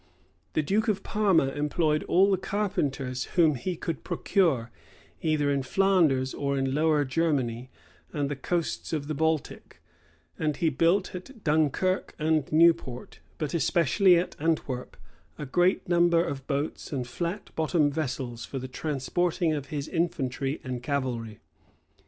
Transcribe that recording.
The duke of Parma employed all the carpenters whom he could procure, either in Flanders or in Lower Germany and the coasts of the Baltic; and he built at Dunkirk and Newport, but especially at Antwerp, a great number of boats and flat bottomed vessels, for the transporting of his infantry and cavalry.